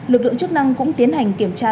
lực lượng chức năng cũng tiến hành kiểm tra